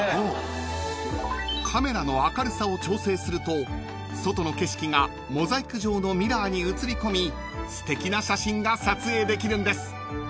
［カメラの明るさを調整すると外の景色がモザイク状のミラーに映り込みすてきな写真が撮影できるんです］